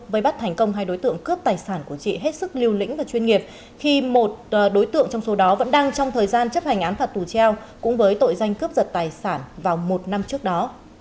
với bắt thành công hai đối tượng cướp tài sản của chị hết sức lưu lĩnh và chuyên nghiệp khi một đối tượng trong số đó vẫn đang trong thời gian chấp hành án phạt tù treo cũng với tội danh cướp giật tài sản vào một năm trước đó